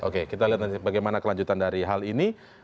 oke kita lihat nanti bagaimana kelanjutan dari hal ini